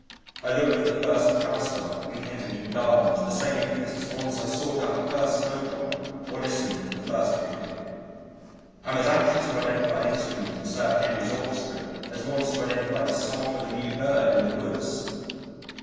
I look for the first parasol in Kensington Gardens with the same interest as once I sought out the first snowdrop or listened for the first Cuckoo. I am as anxious to identify an instrument in Sir Henry's Orchestra as once to identify the song of a new bird in the woods.